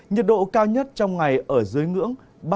nhiệt độ cao nhất trong ngày ở dưới ngưỡng